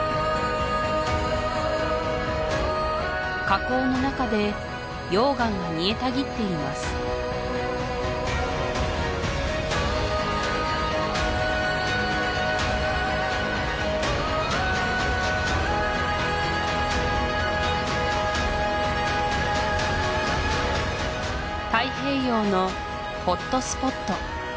火口の中で溶岩が煮えたぎっています太平洋のホットスポット